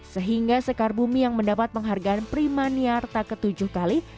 sehingga sekar bumi yang mendapat penghargaan primaniarta ke tujuh kali